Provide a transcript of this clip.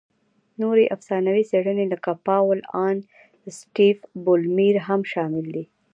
نورې افسانوي څېرې لکه پاول الن، سټیف بولمیر هم شامل دي.